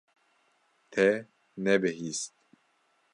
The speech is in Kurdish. Te nebihîst.